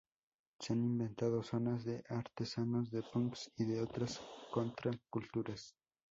Se han inventado zonas de artesanos, de punks y de otras contra culturas.